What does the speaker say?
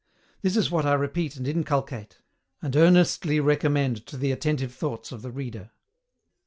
This is what I repeat and inculcate, and earnestly recommend to the attentive thoughts of the reader.